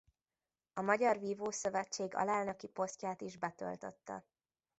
A Magyar vívó Szövetség alelnöki posztját is betöltötte.